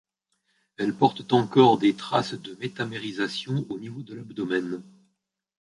Elles portent encore des traces de métamérisation au niveau de l'abdomen.